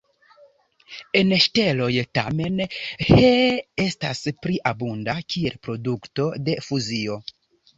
En steloj, tamen, He estas pli abunda, kiel produkto de fuzio.